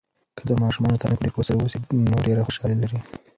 که د ماشومانو تعلیم په ډیر قوت سره وسي، نو ډیر خوشحالي لري.